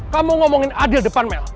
kamu ngomongin adil depan mel